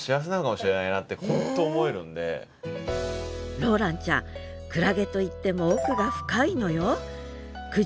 ローランちゃんクラゲといっても奥が深いのよ